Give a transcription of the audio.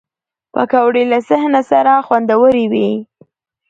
پکورې له صحنه سره خوندورې وي